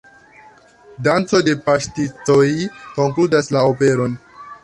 Danco de paŝtistoj konkludas la operon.